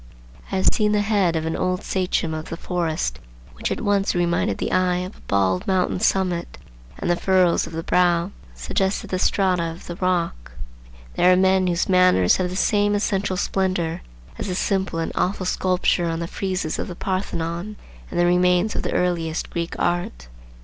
I have seen the head of an old sachem of the forest which at once reminded the eye of a bald mountain summit, and the furrows of the brow suggested the strata of the rock. There are men whose manners have the same essential splendor as the simple and awful sculpture on the friezes of the Parthenon and the remains of the earliest Greek art.